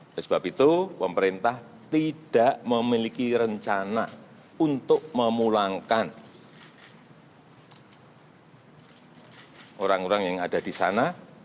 oleh sebab itu pemerintah tidak memiliki rencana untuk memulangkan orang orang yang ada di sana